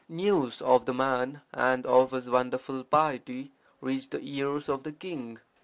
News of the man and of his wonderful piety reached the ears of the king.